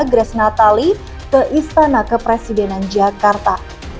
grace natali ke istana kepresidenan jakarta